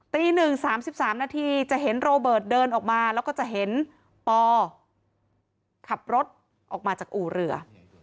ตี๑๓๓นาทีจะเห็นโรเบิร์ตเดินออกมาแล้วก็จะเห็นปอขับรถออกมาจากอู่เรือ